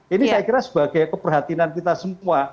ini saya kira sebagai keperhatinan kita semua